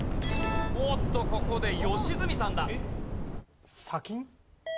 おっとここで良純さんだ。